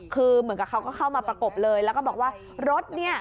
คือเหมือนกับเขาก็เข้ามาประกบเลยแล้วก็บอกว่ารถเนี่ย